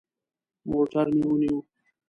موټر مو ونیوه.